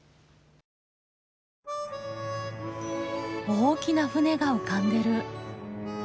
大きな船が浮かんでる。